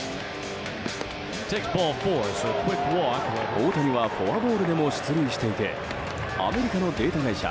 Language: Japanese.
大谷はフォアボールでも出塁していてアメリカのデータ会社